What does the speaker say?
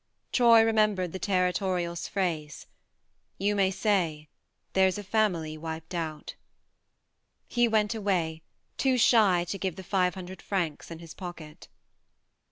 Troy remembered the territorial's phrase :" You may say : there's a family wiped out" He went away, too shy to give the five hundred francs in his pocket.